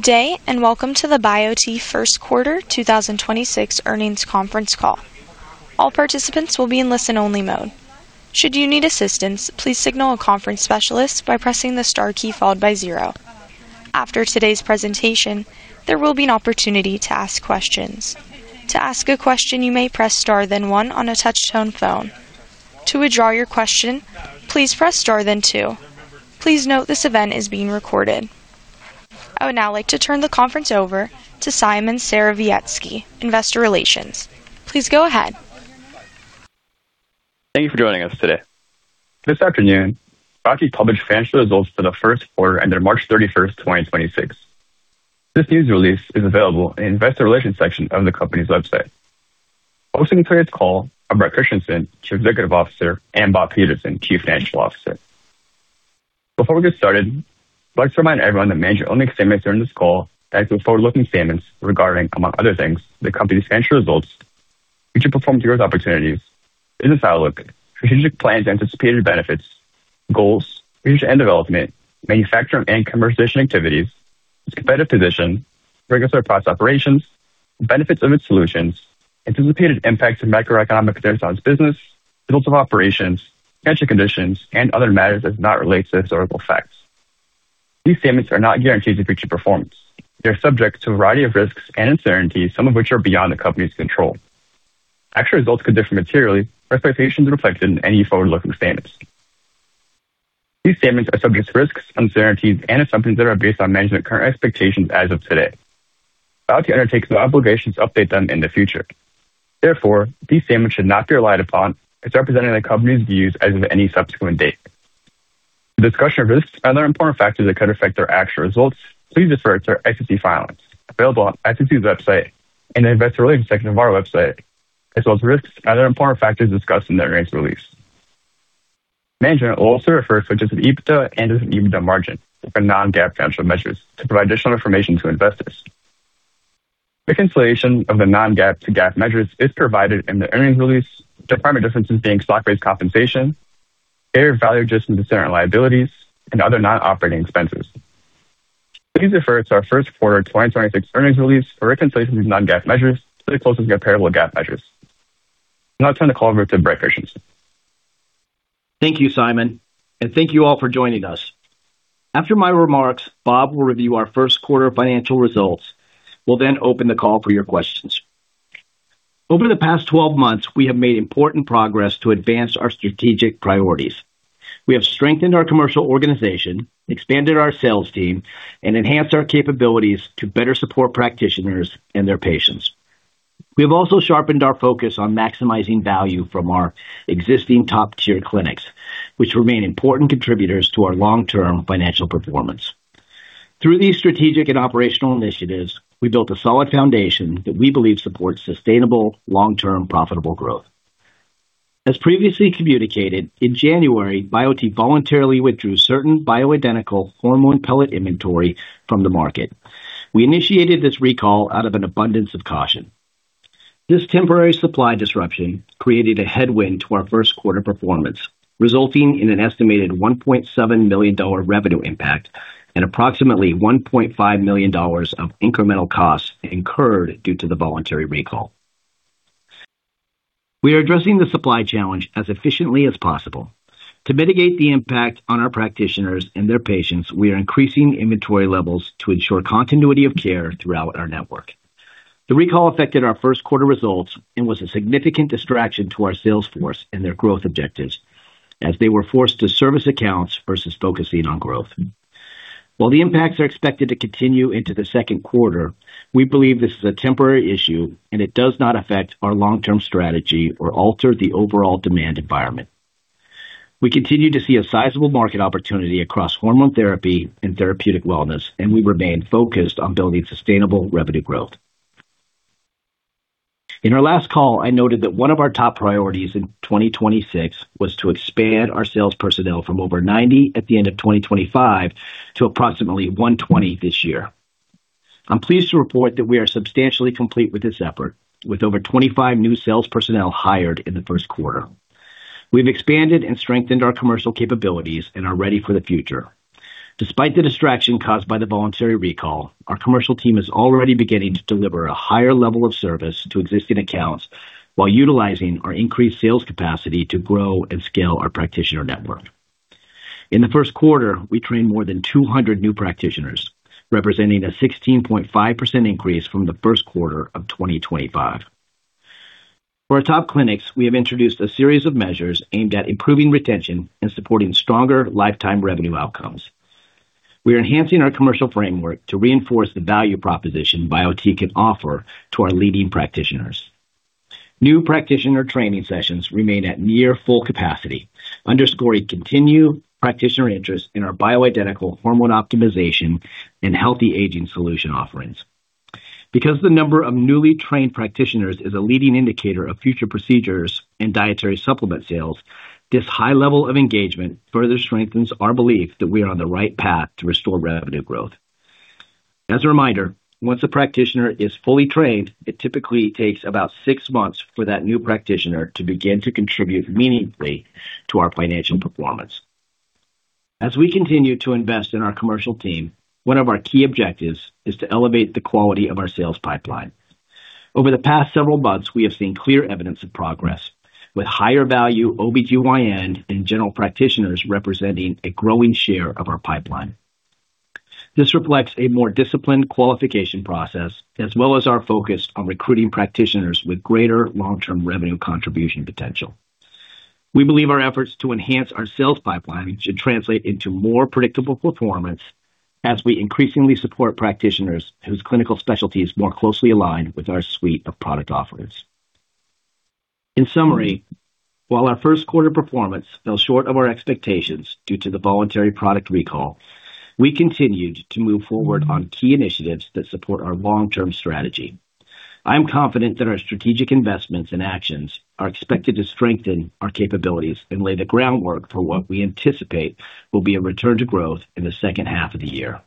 Good day, and welcome to the Biote first quarter 2026 earnings conference call. All participants will be in listen-only mode. After today's presentation, there will be an opportunity to ask questions. Please note this event is being recorded. I would now like to turn the conference over to Simon Serowiecki, Investor Relations. Please go ahead. Thank you for joining us today. This afternoon, Biote published financial results for the first quarter ended March 31st, 2026. This news release is available in the Investor Relations section of the company's website. Hosting today's call are Bret Christensen, Chief Executive Officer, and Bob Peterson, Chief Financial Officer. Before we get started, I'd like to remind everyone that management-only statements during this call as to forward-looking statements regarding, among other things, the company's financial results, future performance growth opportunities, business outlook, strategic plans, anticipated benefits, goals, research and development, manufacturing and commercialization activities, its competitive position, regulatory process operations, benefits of its solutions, anticipated impacts of macroeconomic concerns on its business, results of operations, financial conditions, and other matters that do not relate to historical facts. These statements are not guarantees of future performance. They are subject to a variety of risks and uncertainties, some of which are beyond the company's control. Actual results could differ materially from expectations reflected in any forward-looking statements. These statements are subject to risks, uncertainties, and assumptions that are based on management current expectations as of today. Biote undertakes no obligation to update them in the future. Therefore, these statements should not be relied upon as representing the company's views as of any subsequent date. For a discussion of risks and other important factors that could affect our actual results, please refer to our SEC filings available on SEC's website and the Investor Relations section of our website, as well as risks and other important factors discussed in the earnings release. Management will also refer to adjusted EBITDA and adjusted EBITDA margin for non-GAAP financial measures to provide additional information to investors. Reconciliation of the non-GAAP to GAAP measures is provided in the earnings release, the primary differences being stock-based compensation, fair value adjustments to certain liabilities, and other non-operating expenses. Please refer to our first quarter 2026 earnings release for a reconciliation of these non-GAAP measures to the closest comparable GAAP measures. I'll now turn the call over to Bret Christensen. Thank you, Simon, and thank you all for joining us. After my remarks, Bob will review our first quarter financial results. We'll then open the call for your questions. Over the past 12 months, we have made important progress to advance our strategic priorities. We have strengthened our commercial organization, expanded our sales team, and enhanced our capabilities to better support practitioners and their patients. We have also sharpened our focus on maximizing value from our existing top-tier clinics, which remain important contributors to our long-term financial performance. Through these strategic and operational initiatives, we built a solid foundation that we believe supports sustainable, long-term profitable growth. As previously communicated, in January, Biote voluntarily withdrew certain bioidentical hormone pellet inventory from the market. We initiated this recall out of an abundance of caution. This temporary supply disruption created a headwind to our first quarter performance, resulting in an estimated $1.7 million revenue impact and approximately $1.5 million of incremental costs incurred due to the voluntary recall. We are addressing the supply challenge as efficiently as possible. To mitigate the impact on our practitioners and their patients, we are increasing inventory levels to ensure continuity of care throughout our network. The recall affected our first quarter results and was a significant distraction to our sales force and their growth objectives as they were forced to service accounts versus focusing on growth. While the impacts are expected to continue into the second quarter, we believe this is a temporary issue, and it does not affect our long-term strategy or alter the overall demand environment. We continue to see a sizable market opportunity across hormone therapy and therapeutic wellness, and we remain focused on building sustainable revenue growth. In our last call, I noted that one of our top priorities in 2026 was to expand our sales personnel from over 90 at the end of 2025 to approximately 120 this year. I'm pleased to report that we are substantially complete with this effort, with over 25 new sales personnel hired in the first quarter. We've expanded and strengthened our commercial capabilities and are ready for the future. Despite the distraction caused by the voluntary recall, our commercial team is already beginning to deliver a higher level of service to existing accounts while utilizing our increased sales capacity to grow and scale our practitioner network. In the first quarter, we trained more than 200 new practitioners, representing a 16.5% increase from the first quarter of 2025. For our top clinics, we have introduced a series of measures aimed at improving retention and supporting stronger lifetime revenue outcomes. We are enhancing our commercial framework to reinforce the value proposition Biote can offer to our leading practitioners. New practitioner training sessions remain at near full capacity, underscoring continued practitioner interest in our bioidentical hormone optimization and healthy aging solution offerings. Because the number of newly trained practitioners is a leading indicator of future procedures and dietary supplement sales, this high level of engagement further strengthens our belief that we are on the right path to restore revenue growth. As a reminder, once a practitioner is fully trained, it typically takes about six months for that new practitioner to begin to contribute meaningfully to our financial performance. As we continue to invest in our commercial team, one of our key objectives is to elevate the quality of our sales pipeline. Over the past several months, we have seen clear evidence of progress, with higher value OBGYN and general practitioners representing a growing share of our pipeline. This reflects a more disciplined qualification process as well as our focus on recruiting practitioners with greater long-term revenue contribution potential. We believe our efforts to enhance our sales pipeline should translate into more predictable performance as we increasingly support practitioners whose clinical specialties more closely align with our suite of product offerings. In summary, while our first quarter performance fell short of our expectations due to the voluntary product recall, we continued to move forward on key initiatives that support our long-term strategy. I am confident that our strategic investments and actions are expected to strengthen our capabilities and lay the groundwork for what we anticipate will be a return to growth in the second half of the year.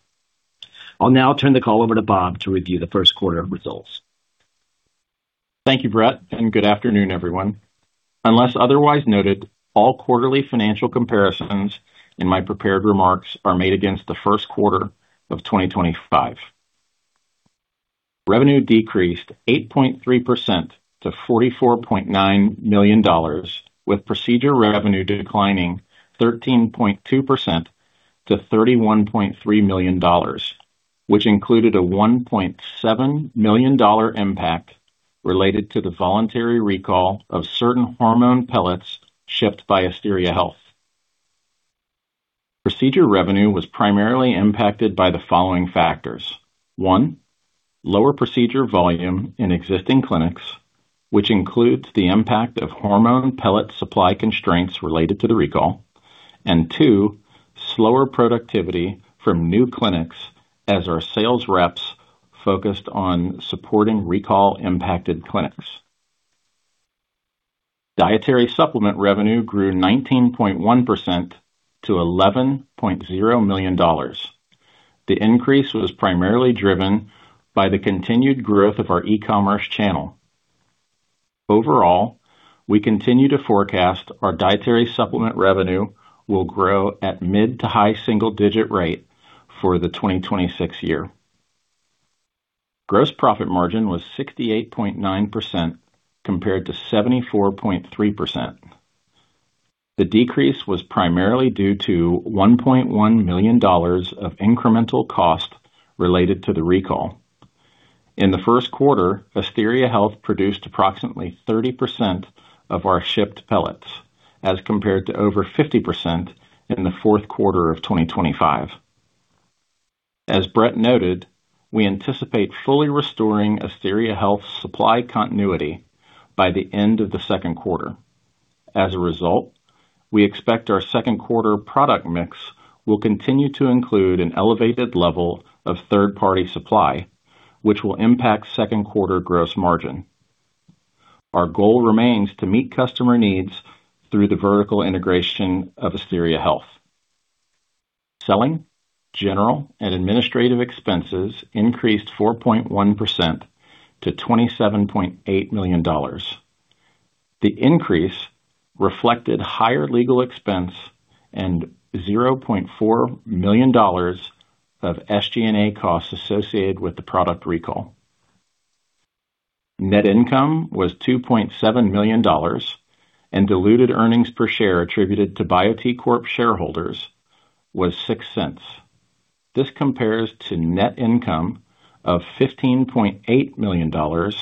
I'll now turn the call over to Bob to review the first quarter results. Thank you, Bret, and good afternoon, everyone. Unless otherwise noted, all quarterly financial comparisons in my prepared remarks are made against the first quarter of 2025. Revenue decreased 8.3% to $44.9 million, with procedure revenue declining 13.2% to $31.3 million, which included a $1.7 million impact related to the voluntary recall of certain hormone pellets shipped by Asteria Health. Procedure revenue was primarily impacted by the following factors. One, lower procedure volume in existing clinics, which includes the impact of hormone pellet supply constraints related to the recall. Two, slower productivity from new clinics as our sales reps focused on supporting recall-impacted clinics. Dietary supplement revenue grew 19.1% to $11.0 million. The increase was primarily driven by the continued growth of our e-commerce channel. Overall, we continue to forecast our dietary supplement revenue will grow at mid-to-high single-digit rate for the 2026 year. Gross profit margin was 68.9% compared to 74.3%. The decrease was primarily due to $1.1 million of incremental cost related to the recall. In the first quarter, Asteria Health produced approximately 30% of our shipped pellets as compared to over 50% in the fourth quarter of 2025. As Bret noted, we anticipate fully restoring Asteria Health's supply continuity by the end of the second quarter. As a result, we expect our second quarter product mix will continue to include an elevated level of third-party supply, which will impact second quarter gross margin. Our goal remains to meet customer needs through the vertical integration of Asteria Health. Selling, general, and administrative expenses increased 4.1% to $27.8 million. The increase reflected higher legal expense and $0.4 million of SG&A costs associated with the product recall. Net income was $2.7 million and diluted earnings per share attributed to Biote Corp. shareholders was $0.06. This compares to net income of $15.8 million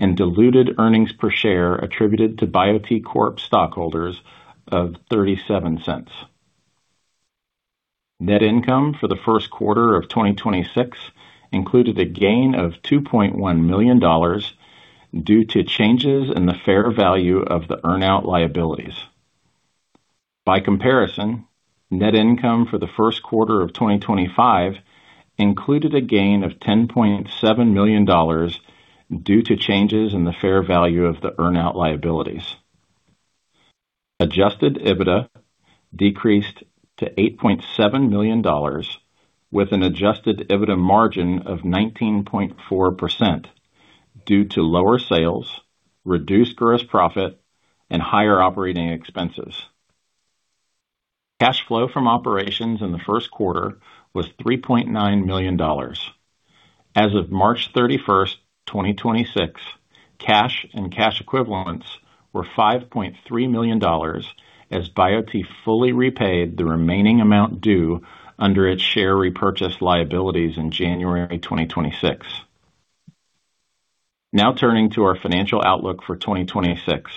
and diluted earnings per share attributed to Biote Corp. stockholders of $0.37. Net income for the first quarter of 2026 included a gain of $2.1 million due to changes in the fair value of the earn-out liabilities. By comparison, net income for the first quarter of 2025 included a gain of $10.7 million due to changes in the fair value of the earn-out liabilities. Adjusted EBITDA decreased to $8.7 million with an adjusted EBITDA margin of 19.4% due to lower sales, reduced gross profit, and higher operating expenses. Cash flow from operations in the first quarter was $3.9 million. As of March 31, 2026, cash and cash equivalents were $5.3 million as Biote fully repaid the remaining amount due under its share repurchase liabilities in January 2026. Now turning to our financial outlook for 2026.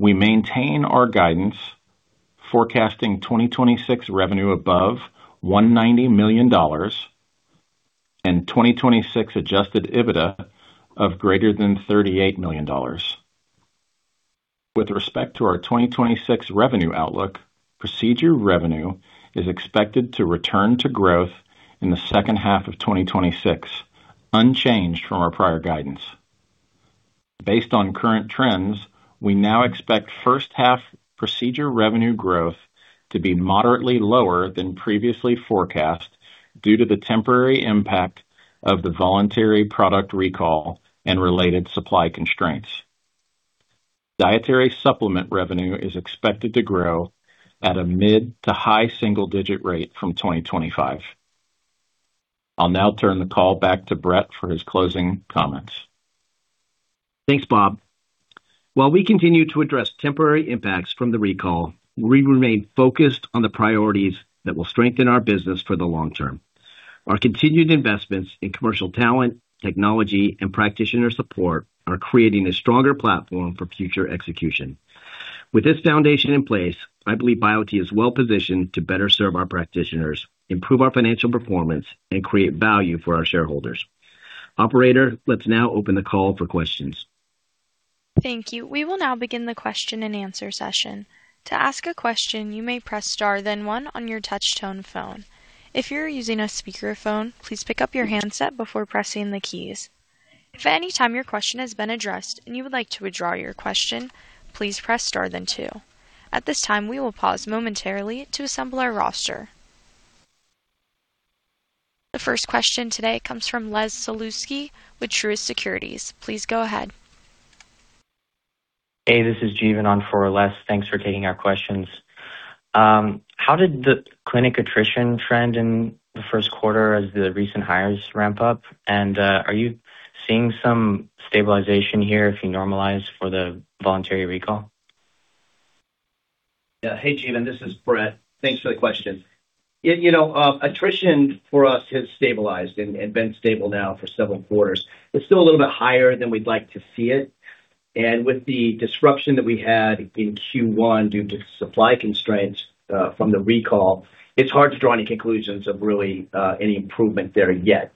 We maintain our guidance forecasting 2026 revenue above $190 million and 2026 adjusted EBITDA of greater than $38 million. With respect to our 2026 revenue outlook, procedure revenue is expected to return to growth in the second half of 2026, unchanged from our prior guidance. Based on current trends, we now expect first half procedure revenue growth to be moderately lower than previously forecast due to the temporary impact of the voluntary product recall and related supply constraints. Dietary supplement revenue is expected to grow at a mid to high single-digit rate from 2025. I'll now turn the call back to Bret for his closing comments. Thanks, Bob. While we continue to address temporary impacts from the recall, we remain focused on the priorities that will strengthen our business for the long term. Our continued investments in commercial talent, technology, and practitioner support are creating a stronger platform for future execution. With this foundation in place, I believe Biote is well-positioned to better serve our practitioners, improve our financial performance, and create value for our shareholders. Operator, let's now open the call for questions. Thank you. We will now begin the question-and-answer session. To ask a question, you may press star then one on your touchtone phone. If you're using a speakerphone, please pick up your handset before pressing the keys. If at any time your question has been addressed and you would like to withdraw your question, please press star then two. At this time, we will pause momentarily to assemble our roster. The first question today comes from Les Sulewski with Truist Securities. Please go ahead. Hey, this is Jeevan on for Les. Thanks for taking our questions. How did the clinic attrition trend in the first quarter as the recent hires ramp up? Are you seeing some stabilization here if you normalize for the voluntary recall? Yeah. Hey, Jeevan, this is Bret. Thanks for the question. You know, attrition for us has stabilized and been stable now for several quarters. It's still a little bit higher than we'd like to see it. With the disruption that we had in Q1 due to supply constraints from the recall, it's hard to draw any conclusions of really any improvement there yet.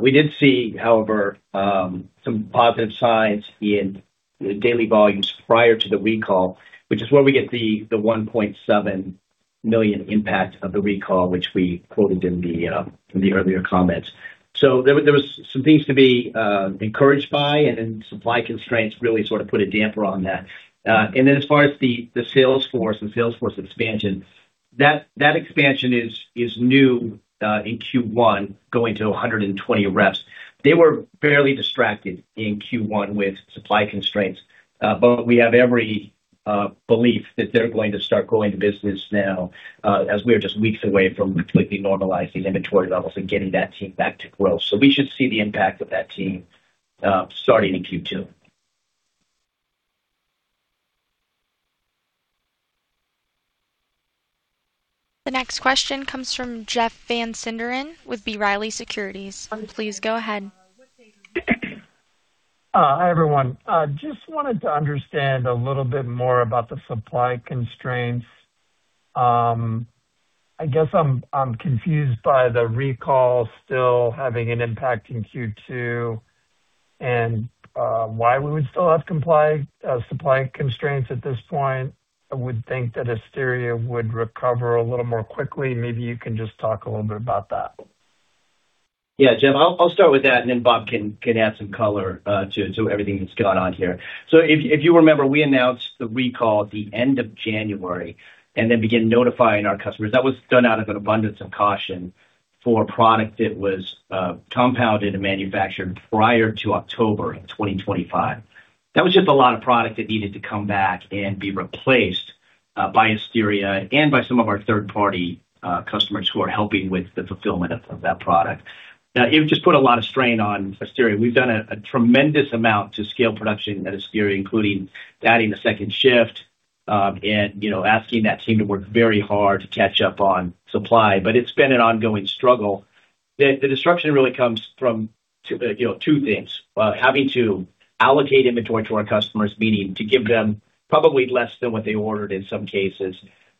We did see, however, some positive signs in daily volumes prior to the recall, which is where we get the $1.7 million impact of the recall, which we quoted in the earlier comments. There was some things to be encouraged by and then supply constraints really sort of put a damper on that. As far as the sales force and sales force expansion, that expansion is new in Q1 going to 120 reps. We have every belief that they're going to start growing the business now, as we are just weeks away from completely normalizing inventory levels and getting that team back to growth. We should see the impact of that team starting in Q2. The next question comes from Jeff Van Sinderen with B. Riley Securities. Please go ahead. Hi, everyone. Just wanted to understand a little bit more about the supply constraints. I guess I'm confused by the recall still having an impact in Q2 and why we would still have supply constraints at this point. I would think that Asteria would recover a little more quickly. Maybe you can just talk a little bit about that. Yeah, Jeff, I'll start with that, then Bob can add some color to everything that's gone on here. If you remember, we announced the recall at the end of January then began notifying our customers. That was done out of an abundance of caution for a product that was compounded and manufactured prior to October of 2025. That was just a lot of product that needed to come back and be replaced by Asteria and by some of our third-party customers who are helping with the fulfillment of that product. It just put a lot of strain on Asteria. We've done a tremendous amount to scale production at Asteria, including adding a second shift, and, you know, asking that team to work very hard to catch up on supply. It's been an ongoing struggle. The disruption really comes from you know, two things. Having to allocate inventory to our customers, meaning to give them probably less than what they ordered in some cases.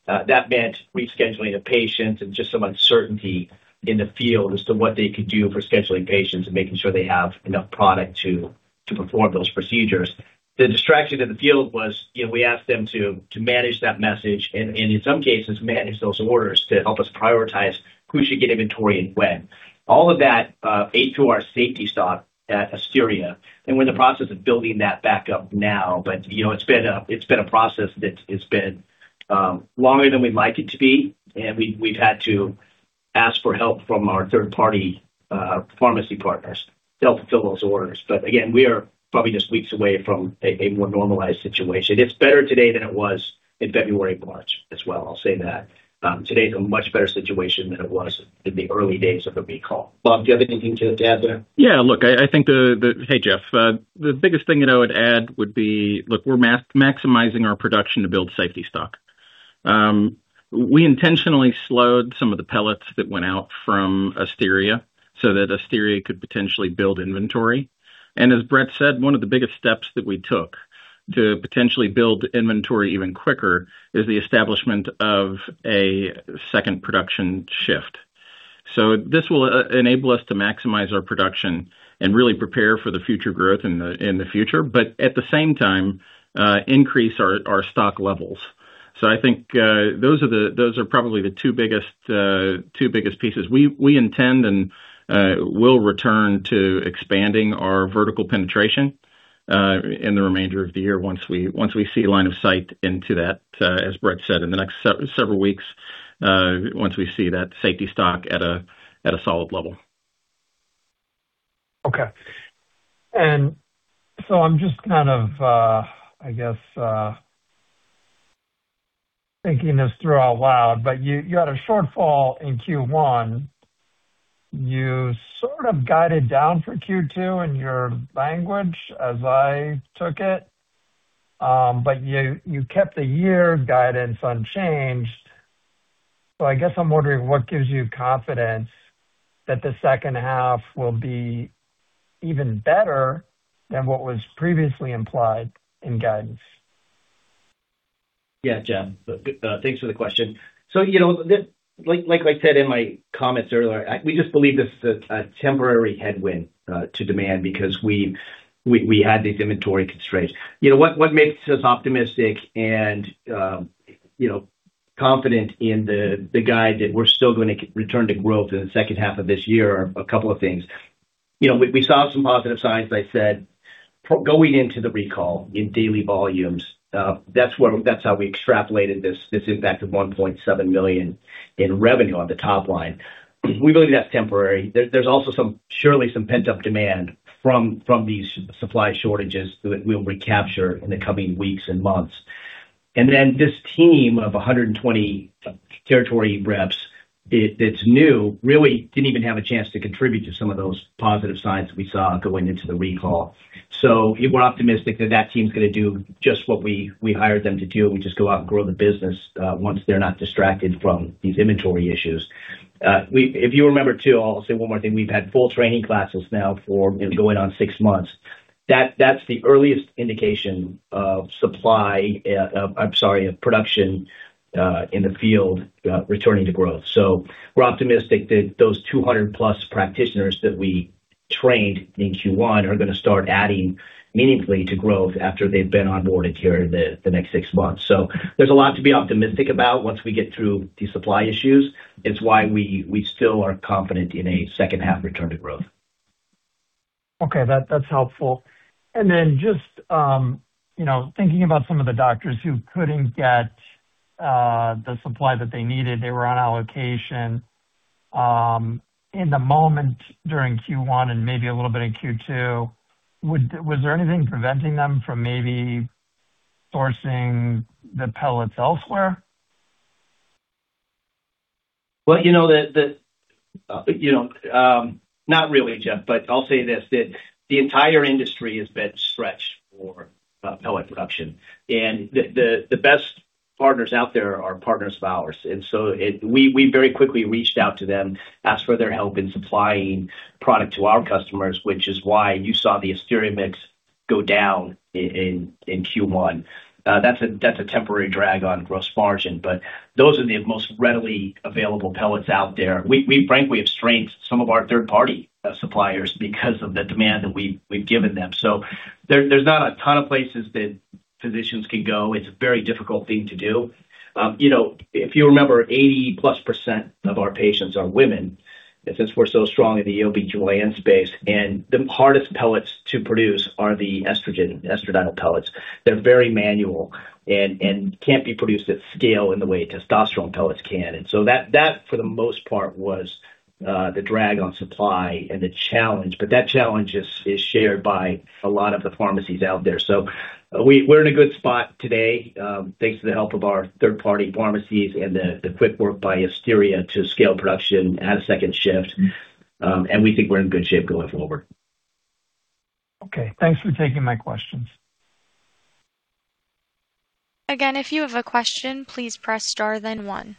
That meant rescheduling a patient and just some uncertainty in the field as to what they could do for scheduling patients and making sure they have enough product to perform those procedures. The distraction in the field was, you know, we asked them to manage that message and in some cases, manage those orders to help us prioritize who should get inventory and when. All of that ate to our safety stock at Asteria, and we're in the process of building that back up now. You know, it's been a, it's been a process that's, it's been longer than we'd like it to be, and we've had to ask for help from our third-party pharmacy partners to help fulfill those orders. Again, we are probably just weeks away from a more normalized situation. It's better today than it was in February, March as well. I'll say that. Today is a much better situation than it was in the early days of the recall. Bob, do you have anything to add there? Look, I think the, Hey, Jeff. The biggest thing that I would add would be, look, we're maximizing our production to build safety stock. We intentionally slowed some of the pellets that went out from Asteria so that Asteria could potentially build inventory. As Bret said, one of the biggest steps that we took to potentially build inventory even quicker is the establishment of a second production shift. This will enable us to maximize our production and really prepare for the future growth in the future, but at the same time, increase our stock levels. I think those are the, those are probably the two biggest pieces. We intend and will return to expanding our vertical penetration in the remainder of the year once we see line of sight into that, as Bret said, in the next several weeks, once we see that safety stock at a solid level. Okay. I'm just kind of, I guess, thinking this through out loud, but you had a shortfall in Q1. You sort of guided down for Q2 in your language as I took it. You kept the year guidance unchanged. I guess I'm wondering what gives you confidence that the second half will be even better than what was previously implied in guidance? Yeah, Jeff. Thanks for the question. You know, like I said in my comments earlier, we just believe this is a temporary headwind to demand because we had these inventory constraints. You know, what makes us optimistic and, you know, confident in the guide that we're still gonna return to growth in the second half of this year are a couple of things. You know, we saw some positive signs, I said, going into the recall in daily volumes. That's how we extrapolated this impact of $1.7 million in revenue on the top line. We believe that's temporary. There's also surely some pent-up demand from these supply shortages that we'll recapture in the coming weeks and months. This team of 120 territory reps that's new, really didn't even have a chance to contribute to some of those positive signs we saw going into the recall. We're optimistic that that team's going to do just what we hired them to do, which is go out and grow the business once they're not distracted from these inventory issues. If you remember too, I'll say one more thing. We've had full training classes now for, you know, going on six months. That's the earliest indication of supply, I'm sorry, of production in the field returning to growth. We're optimistic that those 200+ practitioners that we trained in Q1 are going to start adding meaningfully to growth after they've been onboarded here the next six months. There's a lot to be optimistic about once we get through the supply issues. It's why we still are confident in a second half return to growth. Okay. That's helpful. Then just, you know, thinking about some of the doctors who couldn't get the supply that they needed, they were on allocation, in the moment during Q1 and maybe a little bit in Q2. Was there anything preventing them from maybe sourcing the pellets elsewhere? Well, you know, not really, Jeff, I'll say this, that the entire industry has been stretched for pellet production. The best partners out there are partners of ours. We very quickly reached out to them, asked for their help in supplying product to our customers, which is why you saw the Asteria mix go down in Q1. That's a temporary drag on gross margin, those are the most readily available pellets out there. We frankly have strained some of our third-party suppliers because of the demand that we've given them. There's not a ton of places that physicians can go. It's a very difficult thing to do. You know, if you remember, 80%+ of our patients are women, since we're so strong in the OBGYN space. The hardest pellets to produce are the estrogen, estradiol pellets. They're very manual and can't be produced at scale in the way testosterone pellets can. That for the most part was the drag on supply and the challenge. That challenge is shared by a lot of the pharmacies out there. We're in a good spot today, thanks to the help of our third-party pharmacies and the quick work by Asteria to scale production, add a second shift. We think we're in good shape going forward. Okay. Thanks for taking my questions. Again, if you have a question, please press star then one.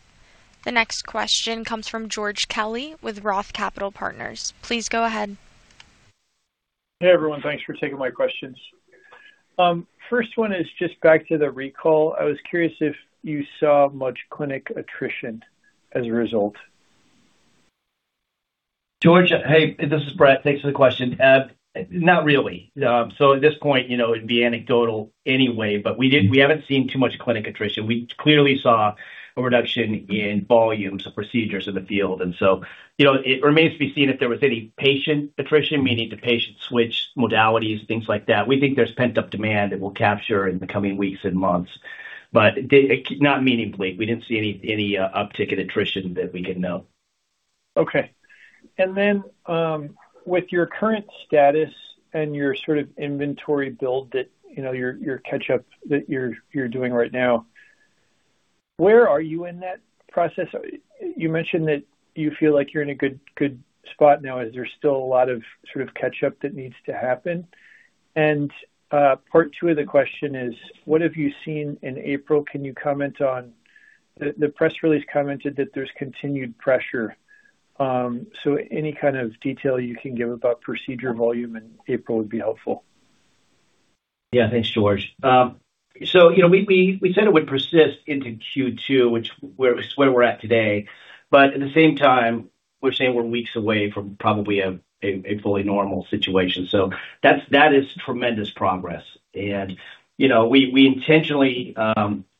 The next question comes from George Kelly with Roth Capital Partners. Please go ahead. Hey, everyone. Thanks for taking my questions. First one is just back to the recall. I was curious if you saw much clinic attrition as a result. George, hey, this is Bret. Thanks for the question. Not really. At this point, you know, it'd be anecdotal anyway, but we haven't seen too much clinic attrition. We clearly saw a reduction in volumes of procedures in the field. You know, it remains to be seen if there was any patient attrition, meaning the patients switched modalities, things like that. We think there's pent-up demand that we'll capture in the coming weeks and months. Not meaningfully. We didn't see any uptick in attrition that we can know. Okay. With your current status and your sort of inventory build that, you know, your catch-up that you're doing right now, where are you in that process? You mentioned that you feel like you're in a good spot now. Is there still a lot of sort of catch-up that needs to happen? Part two of the question is, what have you seen in April? Can you comment on The press release commented that there's continued pressure. Any kind of detail you can give about procedure volume in April would be helpful. Yeah. Thanks, George. You know, we said it would persist into Q2, which is where we're at today. At the same time, we're saying we're weeks away from probably a fully normal situation. That is tremendous progress. You know, we intentionally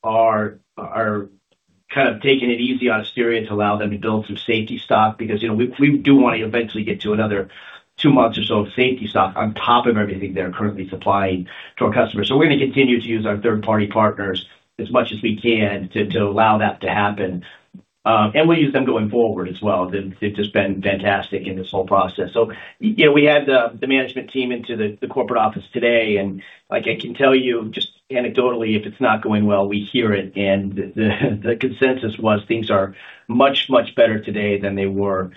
are kind of taking it easy on Asteria to allow them to build some safety stock because, you know, we do wanna eventually get to another two months or so of safety stock on top of everything they're currently supplying to our customers. We're gonna continue to use our third-party partners as much as we can to allow that to happen. And we'll use them going forward as well. They've just been fantastic in this whole process. You know, we had the management team into the corporate office today, like I can tell you just anecdotally, if it's not going well, we hear it. The consensus was things are much, much better today than they were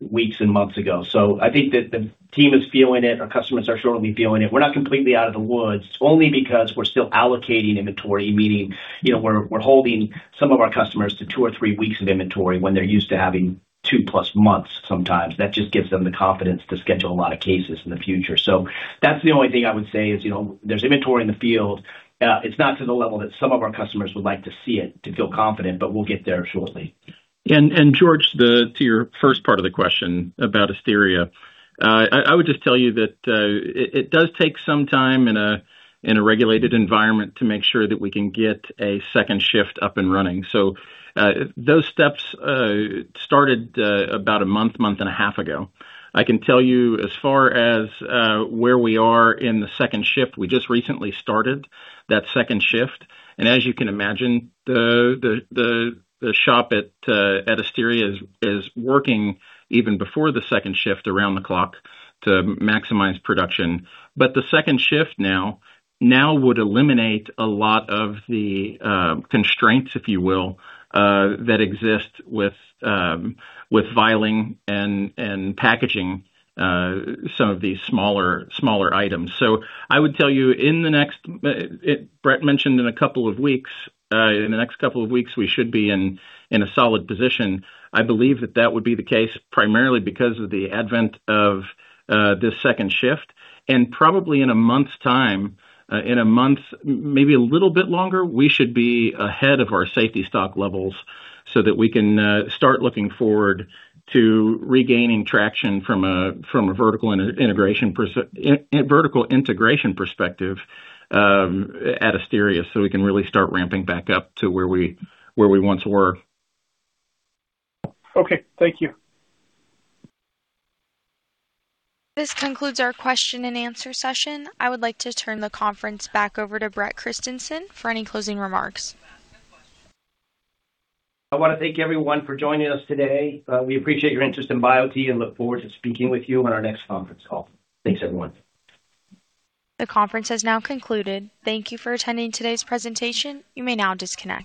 weeks and months ago. I think that the team is feeling it, our customers are shortly feeling it. We're not completely out of the woods only because we're still allocating inventory, meaning, you know, we're holding some of our customers to 2 or 3 weeks of inventory when they're used to having 2+ months sometimes. That just gives them the confidence to schedule a lot of cases in the future. That's the only thing I would say is, you know, there's inventory in the field. It's not to the level that some of our customers would like to see it to feel confident, but we'll get there shortly. George, to your first part of the question about Asteria Health. I would just tell you that it does take some time in a regulated environment to make sure that we can get a second shift up and running. Those steps started about a month and a half ago. I can tell you as far as where we are in the second shift, we just recently started that second shift. As you can imagine, the shop at Asteria Health is working even before the second shift around the clock to maximize production. The second shift now would eliminate a lot of the constraints, if you will, that exist with filing and packaging some of these smaller items. I would tell you in the next, Bret mentioned in a couple of weeks, in the next couple of weeks, we should be in a solid position. I believe that that would be the case primarily because of the advent of this second shift. Probably in a month's time, in a month, maybe a little bit longer, we should be ahead of our safety stock levels so that we can start looking forward to regaining traction from a vertical integration perspective at Asteria, so we can really start ramping back up to where we once were. Okay. Thank you. This concludes our question and answer session. I would like to turn the conference back over to Bret Christensen for any closing remarks. I wanna thank everyone for joining us today. We appreciate your interest in Biote and look forward to speaking with you on our next conference call. Thanks, everyone. The conference has now concluded. Thank you for attending today's presentation. You may now disconnect.